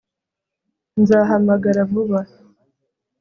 nzahamagara vuba